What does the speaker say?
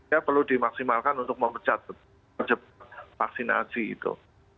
ya perlu dimaksimalkan untuk memecat vaksinasi itu